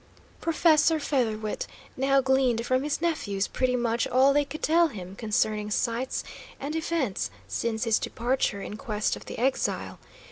Professor Featherwit now gleaned from his nephews pretty much all they could tell him concerning sights and events since his departure in quest of the exile.